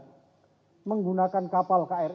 juga menggunakan kapal tni angkatan laut